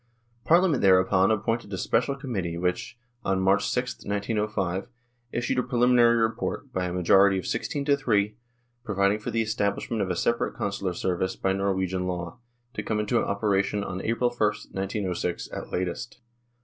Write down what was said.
Parliament thereupon appointed a special Com mittee which, on March 6, 1905, issued a preliminary report, by a majority of 16 to 3, providing for the establishment of a separate Consular service by Nor wegian law, to come into operation on April i, 1906, at latest.